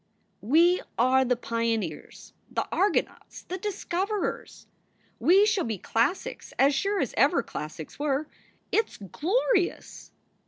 "We are the pioneers, the Argonauts, the discoverers. We shall be classics as sure as ever classics were. It s glorious!"